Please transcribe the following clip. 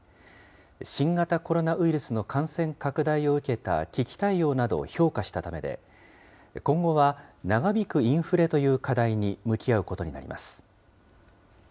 新型コロナウイルスの感染拡大を受けた危機対応などを評価したためで、今後は長引くインフレという課題に向き合うことになります。